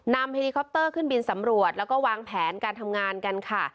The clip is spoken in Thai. เฮลิคอปเตอร์ขึ้นบินสำรวจแล้วก็วางแผนการทำงานกันค่ะ